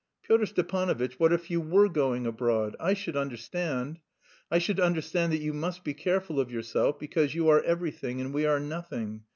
"Pyotr Stepanovitch, what if you were going abroad? I should understand... I should understand that you must be careful of yourself because you are everything and we are nothing.